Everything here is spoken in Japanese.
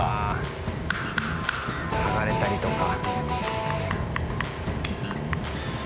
剥がれたりとか。